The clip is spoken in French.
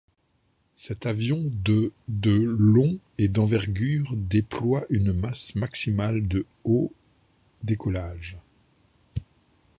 Cet avion de de long et d’envergure déploie une masse maximale de au décollage.